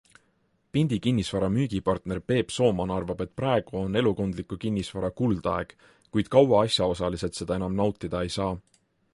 Pindi Kinnisvara müügipartner Peep Sooman arvab, et praegu on elukondliku kinnisvara kuldaeg, kuid kaua asjaosalised seda enam nautida ei saa.